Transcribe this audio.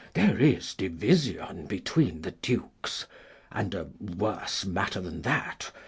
There is division betwixt the Dukes, and a worse matter than that.